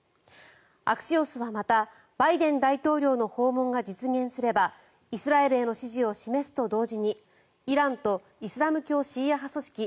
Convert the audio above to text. アクシオスはまたバイデン大統領の訪問が実現すればイスラエルへの支持を示すと同時にイランとイスラム教シーア派組織